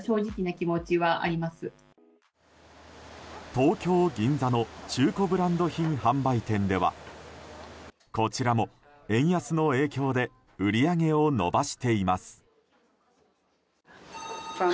東京・銀座の中古ブランド品販売店ではこちらも円安の影響で売り上げを伸ばしています。